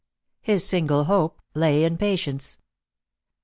His singla hope lay in patience.